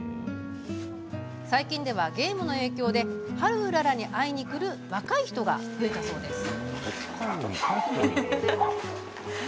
最近では、ゲームの影響でハルウララに会いに来る若い人が増えてきたそうです。